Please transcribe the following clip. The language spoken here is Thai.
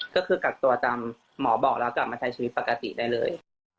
ก็คือกักตัวตามหมอบอกแล้วกลับมาใช้ชีวิตปกติได้เลย